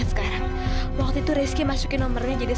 aku harus bisa lepas dari sini sebelum orang itu datang